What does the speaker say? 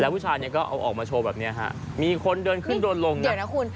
ผู้ชายเนี่ยก็เอาออกมาโชว์แบบเนี้ยฮะมีคนเดินขึ้นเดินลงเดี๋ยวนะคุณ